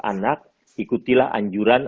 anak ikutilah anjuran